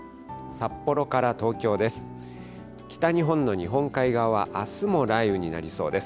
札幌から東京です。